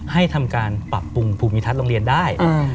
ให้ทำการปรับปรุงภูมิทัศน์โรงเรียนได้